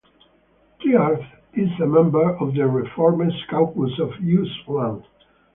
Tiahrt is a member of the ReFormers Caucus of Issue One.